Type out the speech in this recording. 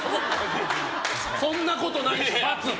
そんなことないよ、×！